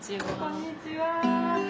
こんにちは。